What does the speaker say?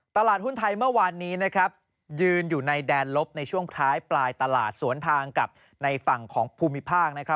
ตลาดหุ้นไทยเมื่อวานนี้ยืนอยู่ในแดนลบในช่วงท้ายปลายตลาดสวนทางกับในฝั่งของภูมิภาค